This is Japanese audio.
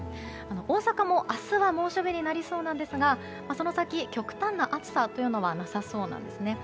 大阪も明日は猛暑日になりそうですがその先、極端な暑さはなさそうなんですね。